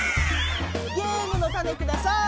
ゲームのタネください。